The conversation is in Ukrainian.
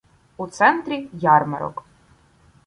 У центрі — ярмарок.